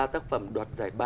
ba tác phẩm đoạt giải ba